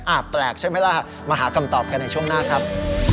แปลกใช่ไหมล่ะมาหาคำตอบกันในช่วงหน้าครับ